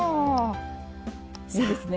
いいですね。